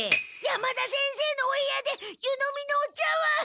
山田先生のお部屋で湯飲みのお茶わん。